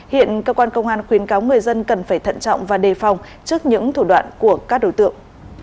hiện cơ quan công an khuyến cáo người dân cần phải thận trọng và đề phòng trước những thủ đoạn của các đối tượng